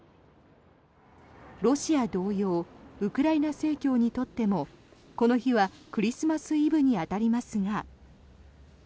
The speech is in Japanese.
ロシア同様ウクライナ正教にとってもこの日はクリスマスイブに当たりますが。